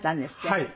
はい。